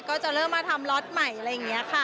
ก็จะเริ่มมาทำล็อตใหม่อะไรอย่างนี้ค่ะ